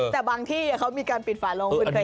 แต่บางที่เขามีการปิดฝาโลงคุณเคยเห็นไหม